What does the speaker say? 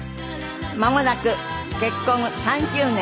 間もなく結婚３０年。